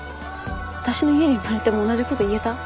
私の家に生まれても同じこと言えた？